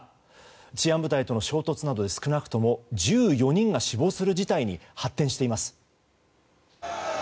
治安部隊との衝突などで少なくとも１４人が死亡する事態に発展しています。